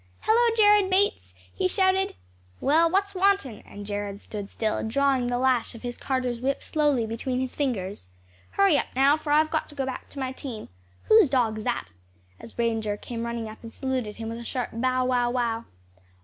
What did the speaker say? "Hallo, Jared Bates!" he shouted. "Well, what's wantin'?" and Jared stood still, drawing the lash of his carter's whip slowly between his fingers. "Hurry up now, for I've got to go back to my team. Whose dog's that?" as Ranger came running up and saluted him with a sharp, "Bow, wow, wow!"